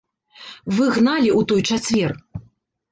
Вы гналі ў той чацвер.